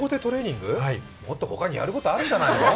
もっとほかにやることあるんじゃないの？